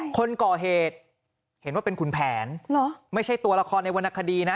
คนก่อเหตุเห็นว่าเป็นคุณแผนไม่ใช่ตัวละครในวรรณคดีนะ